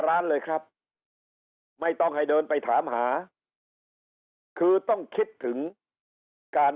ร้านเลยครับไม่ต้องให้เดินไปถามหาคือต้องคิดถึงวิธีการ